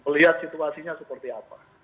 lihat situasinya seperti apa